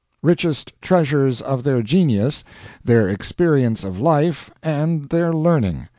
] richest treasures of their genius, their experience of life, and their learning.